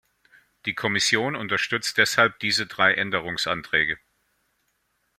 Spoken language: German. Die Kommission unterstützt deshalb diese drei Änderungsanträge.